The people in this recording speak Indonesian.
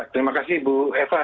terima kasih bu eva